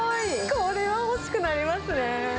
これは欲しくなりま